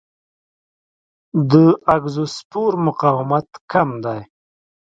د اګزوسپور مقاومت کم دی.